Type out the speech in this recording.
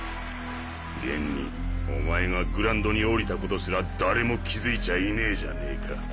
現にお前がグラウンドに降りたことすら誰も気づいちゃいねぇじゃねか。